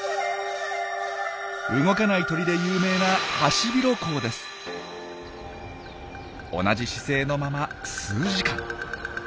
動かない鳥で有名な同じ姿勢のまま数時間。